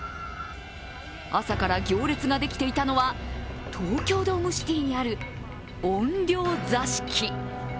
朝から行列ができていたのは東京ドームシティにある怨霊座敷。